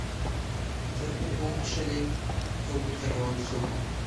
ده اوبه وڅښلې او بېرته روان شو.